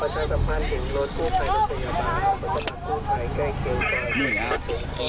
เจ๊ยแก้ผูเปิดไฟเนี่ย